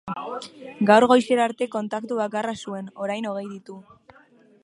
Gaur goizerarte kontaktu bakarra zuen, orain hogei ditu.